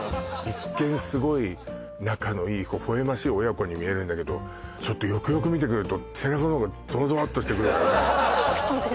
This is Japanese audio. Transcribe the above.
一見すごい仲のいいほほえましい親子に見えるんだけどちょっとよくよく見てくると背中の方がぞわぞわっとしてくるわよね